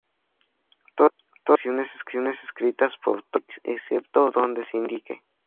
Todas las canciones escritas por Tom Waits excepto donde se indique.